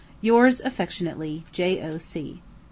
Yours affectionately, J.O.C.